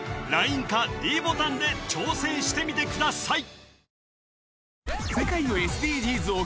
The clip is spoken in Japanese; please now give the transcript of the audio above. ＬＩＮＥかｄボタンで挑戦してみてください